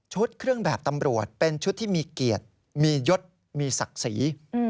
เครื่องแบบตำรวจเป็นชุดที่มีเกียรติมียศมีศักดิ์ศรี